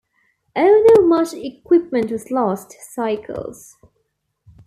Although much equipment was lost, cycles.